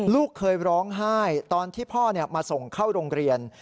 ลูกเคยร้องไห้ตอนที่พ่อมาส่งเข้าโรงเรียน